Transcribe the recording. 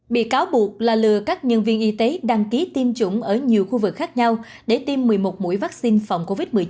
bị cáo buộc là lừa các nhân viên y tế đăng ký tiêm chủng ở nhiều khu vực khác nhau để tiêm một mươi một mũi vaccine phòng covid một mươi chín